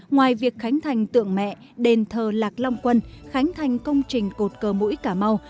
ngoài việc khánh thành tượng mẹ đền thờ lạc long quân khánh thành công trình cột cờ mũi cà mau